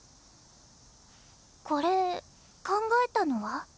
これ考えたのは？